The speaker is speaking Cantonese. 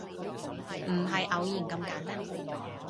唔係偶然咁簡單